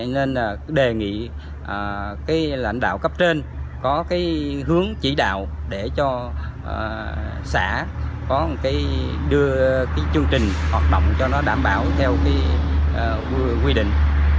nên là đề nghị cái lãnh đạo cấp trên có cái hướng chỉ đạo để cho xã có một cái đưa cái chương trình hoạt động cho nó đảm bảo theo quy định